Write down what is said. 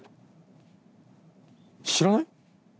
知らない？